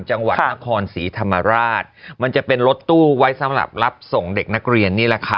จังหวัดนครศรีธรรมราชมันจะเป็นรถตู้ไว้สำหรับรับส่งเด็กนักเรียนนี่แหละค่ะ